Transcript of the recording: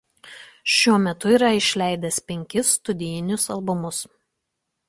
Šiuo metu yra išleidęs penkis studijinius albumus.